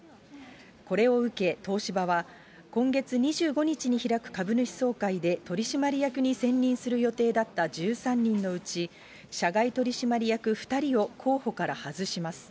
これを受け東芝は、今月２５日に開く株主総会で取締役に選任する予定だった１３人のうち、社外取締役２人を候補から外します。